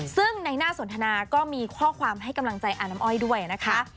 ซึ่งในหน้าสนทนาก็มีข้อความให้กำลังใจอาน้ำอ้อยด้วยนะคะ